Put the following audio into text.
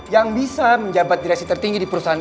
yang bisa menjabat dirasi tertinggi di perusahaan ini